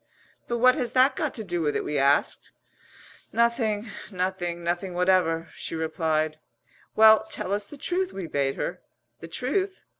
"But what has that got to do with it?" we asked. "Nothing nothing nothing whatever," she replied. "Well, tell us the truth," we bade her. "The truth?